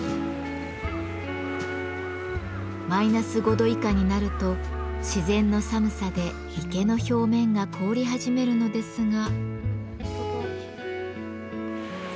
マイナス５度以下になると自然の寒さで池の表面が凍り始めるのですが。